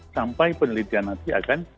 sampai penelitian nanti akan